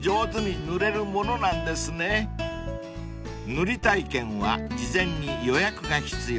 ［塗り体験は事前に予約が必要］